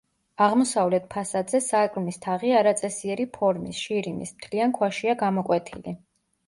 აღმოსავლეთ ფასადზე სარკმლის თაღი არაწესიერი ფორმის, შირიმის, მთლიან ქვაშია გამოკვეთილი.